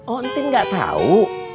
oh ten enggak tahu